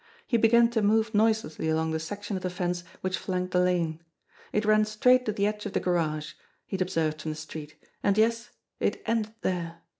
He began to move noiselessly along the section of the fence which flanked the lane. It ran straight to the edge of the garage, he had observed from the street, and yes, it ended there